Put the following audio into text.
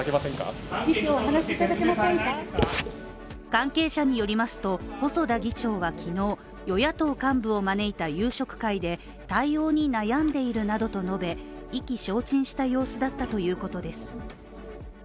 関係者によりますと、細田議長は昨日、与野党幹部を招いた夕食会で対応に悩んでいるなどと述べ、意気消沈した様子だったということです。